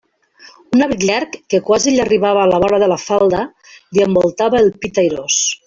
Un abric llarg, que quasi li arribava a la vora de la falda, li envoltava el pit airós.